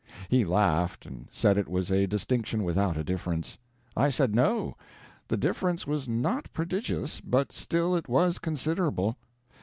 He laughed, and said it was a distinction without a difference. I said no, the difference was not prodigious, but still it was considerable.